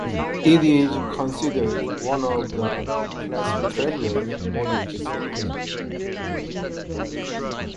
It is considered one of the classic "Traveller" Modules series.